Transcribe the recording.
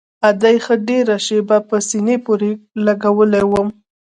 ادې ښه ډېره شېبه په سينې پورې لګولى وم.